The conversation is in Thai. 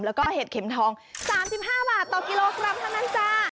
แล้วก็เห็ดเข็มทอง๓๕บาทต่อกิโลกรัมเท่านั้นจ้า